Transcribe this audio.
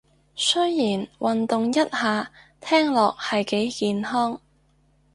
雖然運動一下聽落係幾健康